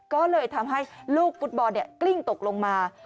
ก็เลยทำให้ลูกฟุตบอลกลิ้งตกลงมา